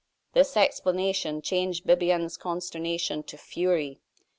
This explanation changed Bibiaine's consternation to fury.